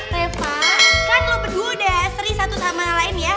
reva kan lo berdua udah seri satu sama lain ya